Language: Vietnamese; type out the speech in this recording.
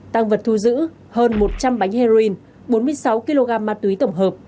tăng vật thu giữ hơn một trăm linh bánh heroin bốn mươi sáu kg ma túy tổng hợp